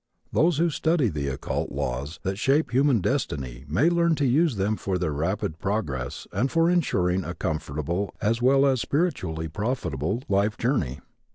Those who study the occult laws that shape human destiny may learn to use them for their rapid progress and for insuring a comfortable, as well as spiritually profitable, life journey.